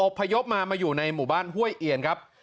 พยพมามาอยู่ในหมู่บ้านห้วยเอียนครับ